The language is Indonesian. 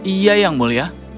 iya yang mulia